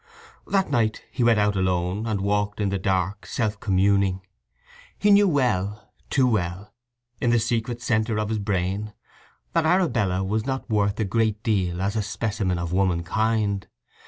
That night he went out alone, and walked in the dark self communing. He knew well, too well, in the secret centre of his brain, that Arabella was not worth a great deal as a specimen of womankind.